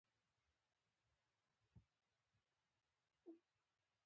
نبي کريم ص په مخکې دوه کارونه راغلل.